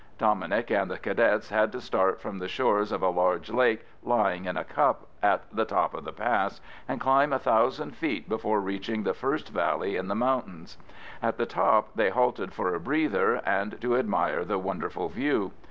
Dominic and the Cadets had to start from the shores of a large lake lying in a cup at the top of the pass, and climb a thousand feet before reaching the first valley in the mountains. At the top they halted for a breather and to admire the wonderful view.